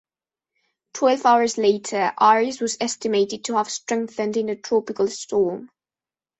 Twelve hours later, Iris was estimated to have strengthened into a tropical storm.